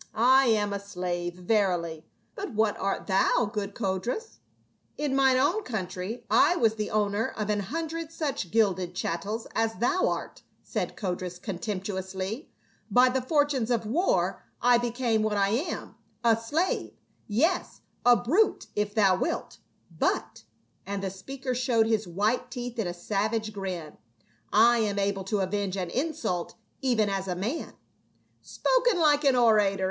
" I am a slave, verily ; but what art thou, good Codrus ?"" In mine own country I was the owner of an hun dred such gilded chattels as thou art," said Codrus contemptuously ;" by the fortunes of war I became what I am, a slave, yes — a brute, if thou wilt, but —" and the speaker showed his white teeth in a savage grin, " I am able to avenge an insult even as a man." " Spoken like an orator